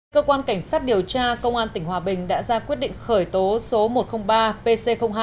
cơ quan cảnh sát điều tra công an tỉnh hòa bình đã ra quyết định khởi tố số một trăm linh ba pc hai